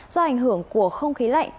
do ảnh hưởng của không khí lạnh